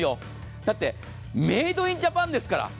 だってメイド・イン・ジャパンですから。